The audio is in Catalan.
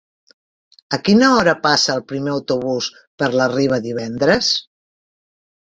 A quina hora passa el primer autobús per la Riba divendres?